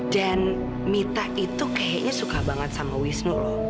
dan mita itu kayaknya suka banget sama wismu loh